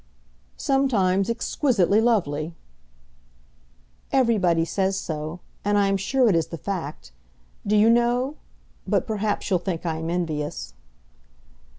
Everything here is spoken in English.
"Sometimes exquisitely lovely." "Everybody says so; and I am sure it is the fact. Do you know; but perhaps you'll think I am envious."